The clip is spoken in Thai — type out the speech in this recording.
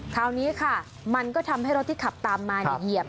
คราวนี้ค่ะมันก็ทำให้รถที่ขับตามมาเหยียบ